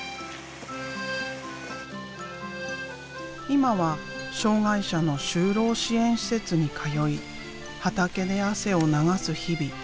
今は障害者の就労支援施設に通い畑で汗を流す日々。